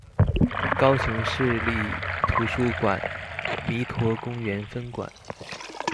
高雄市立圖書館彌陀公園分館